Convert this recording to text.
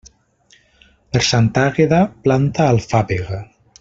Per Santa Àgueda, planta alfàbega.